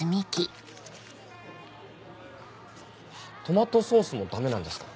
トマトソースもダメなんですか？